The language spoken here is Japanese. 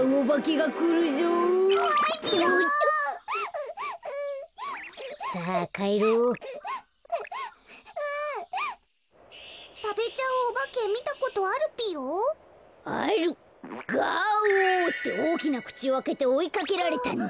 「ガオ！」っておおきなくちをあけておいかけられたんだ。